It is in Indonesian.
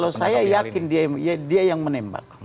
kalau saya yakin dia yang menembak